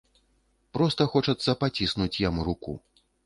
Проста хочацца паціснуць яму руку.